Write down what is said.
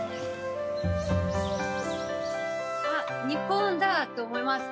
あっ日本だ！と思います。